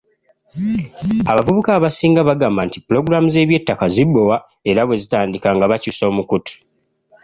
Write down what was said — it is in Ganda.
Abavubuka abasinga bagamba nti pulogulaamu z'eby'ettaka zibowa era bwe zitandika nga bakyusa omukutu.